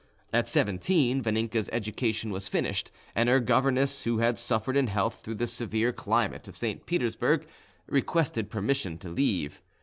At seventeen Vaninka's education was finished, and her governess who had suffered in health through the severe climate of St. Petersburg, requested permission to leave.